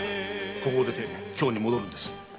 ここを出て京に戻るんです。